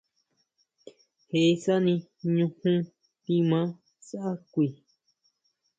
Je sani ñujún timaa sá kui.